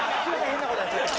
変なことやっちゃって。